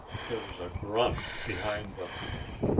There was a grunt behind them.